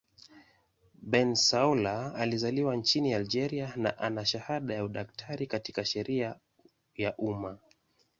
Bensaoula alizaliwa nchini Algeria na ana shahada ya udaktari katika sheria ya umma.